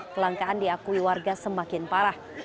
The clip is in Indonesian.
kelangkaan diakui warga semakin parah